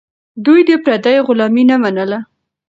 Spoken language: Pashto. دوی د پردیو غلامي نه منله.